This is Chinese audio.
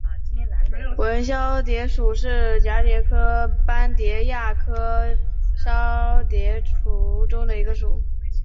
纹绡蝶属是蛱蝶科斑蝶亚科绡蝶族中的一个属。